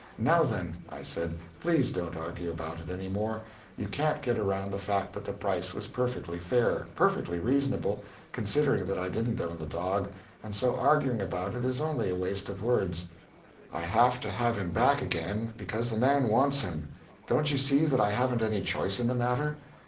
Now, then " I said, "Please don't argue about it any more. You can't get around the fact that the price was perfectly fair, perfectly reasonable considering that I didn't own the dog and so arguing about it is only a waste of words. I have to have him back again because the man wants him; don't you see that I haven't any choice in the matter?